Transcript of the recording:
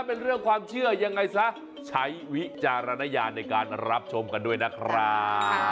เป็นเรื่องความเชื่อยังไงซะใช้วิจารณญาณในการรับชมกันด้วยนะครับ